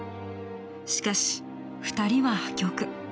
しかし、２人は破局。